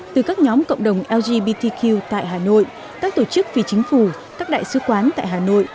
từ các nhóm cộng đồng lgbtq tại hà nội các tổ chức phi chính phủ các đại sứ quán tại hà nội